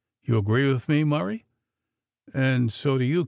You agree with me, Murray, and so do you.